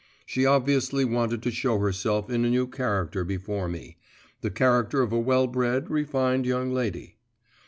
She obviously wanted to show herself in a new character before me the character of a well bred, refined young lady.